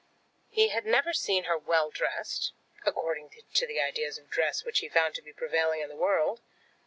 He had never seen her well dressed, according to the ideas of dress which he found to be prevailing in the world.